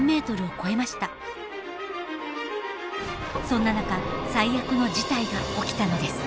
そんな中最悪の事態が起きたのです。